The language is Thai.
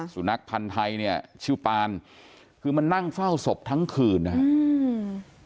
สุนัขพันธ์ไทยเนี่ยชื่อปานคือมันนั่งเฝ้าศพทั้งคืนนะฮะอืม